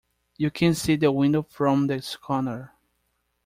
You can see the window from this corner.